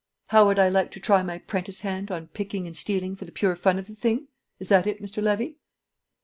"How would I like to try my prentice hand on picking and stealing for the pure fun of the thing? Is that it, Mr. Levy?"